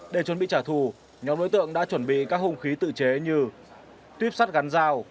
để chuẩn bị trả thù nhóm đối tượng đã chuẩn bị các hung khí tự chế như tuyếp sắt gắn dao